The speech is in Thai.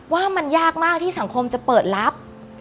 ว่ามันยากมากที่สังคมจะเปิดรับ